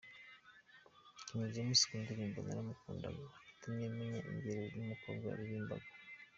King James mu ndirimbo Naramukundaga yatumye amenya irengero ry'umukobwa yaririmbaga.